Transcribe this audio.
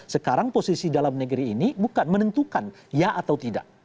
sekarang posisi dalam negeri ini bukan menentukan ya atau tidak